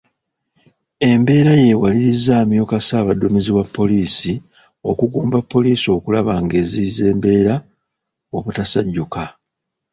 Embeera y'ewalirizza amyuka Ssaabadduumizi wa poliisi okugumba pollisi okulaba ng'eziyiza embeera obutasajjuka.